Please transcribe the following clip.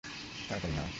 তাড়াতাড়ি নাও।